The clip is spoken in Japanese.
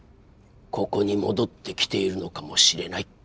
ここに戻ってきているのかもしれない。